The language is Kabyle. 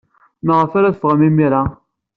Maɣef ara teffɣem imir-a?